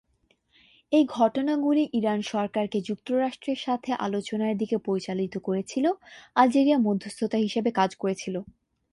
এই ঘটনাগুলি ইরান সরকারকে যুক্তরাষ্ট্রের সাথে আলোচনার দিকে পরিচালিত করেছিল, আলজেরিয়া মধ্যস্থতা হিসাবে কাজ করেছিল।